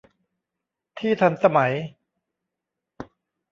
ที่ทันสมัย